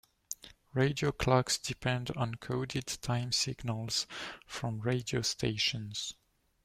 Radio clocks depend on coded time signals from radio stations.